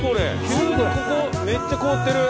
急にここめっちゃ凍ってる。